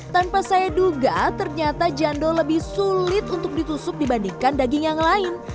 tanpa saya duga ternyata jando lebih sulit untuk ditusuk dibandingkan daging yang lain